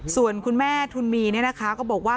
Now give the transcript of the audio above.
ส่วนคุณแม่ทุนมีเนี่ยนะคะก็บอกว่า